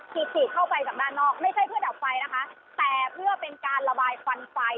ขีดเข้าไปจากด้านนอกไม่ใช่เพื่อดับไฟนะคะแต่เพื่อเป็นการระบายควันไฟ